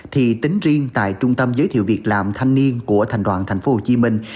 thì tính riêng tại trung tâm giới thiệu việc làm thanh niên của thành đoàn thành phố hồ chí minh